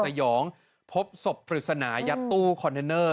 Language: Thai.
สยองพบศพปริศนายัดตู้คอนเทนเนอร์